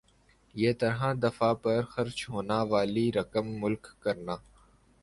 یِہ طرح دفاع پر خرچ ہونا والی رقم ملک کرنا